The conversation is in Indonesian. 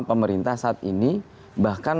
pemerintah saat ini bahkan